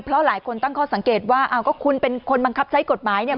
เพราะหลายคนตั้งข้อสังเกตว่าอ้าวก็คุณเป็นคนบังคับใช้กฎหมายเนี่ย